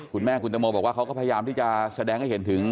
คุณแม่คุณตังโมบอกว่าเขาก็พยายามที่จะแสดงให้เห็นถึง